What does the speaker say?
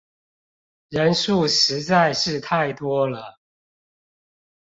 人數實在是太多了